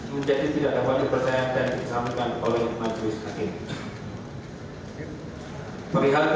menjadi tidak dapat dipercaya